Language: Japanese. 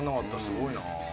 すごいな。